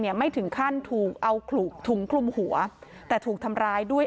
ไม่ถึงขั้นถูกเอาขลุกถุงคลุมหัวแต่ถูกทำร้ายด้วย